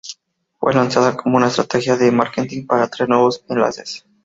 Fue lanzado como una estrategia de marketing para atraer nuevos enlaces.